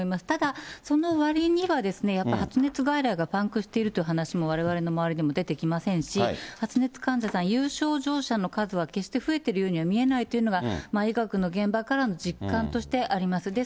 ただ、そのわりには、やっぱり発熱外来がパンクしているという話もわれわれの周りにも出てきませんし、発熱患者さん、有症患者さんの数は決して増えているようには見えないというのが、医学の現場からの実感としてあります。